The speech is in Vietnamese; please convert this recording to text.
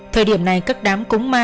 thời điểm này các đám cúng ma